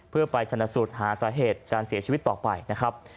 เพื่อไปชนะสูตรหาสาเหตุการเสียชีวิตต่อไปนะครับ